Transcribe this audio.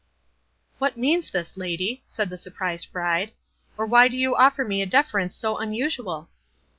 "What means this, lady?" said the surprised bride; "or why do you offer to me a deference so unusual?"